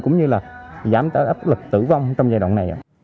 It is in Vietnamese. cũng như là giảm tới áp lực tử vong trong giai đoạn này